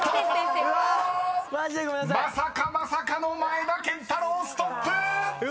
［まさかまさかの前田拳太郎ストップ！］